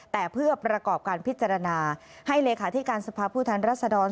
แต่เพื่อประกอบการพิจารณาให้เลขาธิการสภาพผู้แทนรัศดร